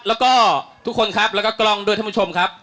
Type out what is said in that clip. แล้วก็ทุกคนครับแล้วก็กล้องด้วยท่านผู้ชมครับ